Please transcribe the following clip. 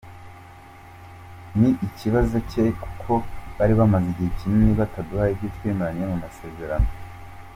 "Ni ikibazo cye kuko bari bamaze igihe kinini bataduha ibyo twemerewe mu masezerano.